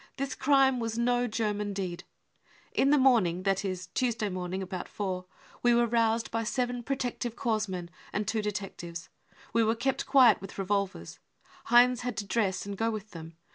This crime was no German deed. <£ In the morning, that is, Tuesday morning about four, we were roused by seven protective corps men and two detectives. We were kept quiet with revolvers. Heinz had to dress and go with them.